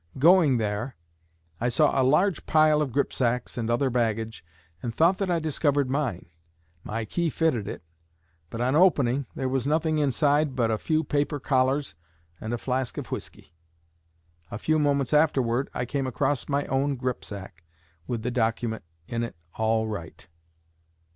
Going there, I saw a large pile of gripsacks and other baggage, and thought that I discovered mine. My key fitted it, but on opening there was nothing inside but a few paper collars and a flask of whisky. A few moments afterward I came across my own gripsack, with the document in it all right."